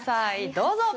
どうぞ。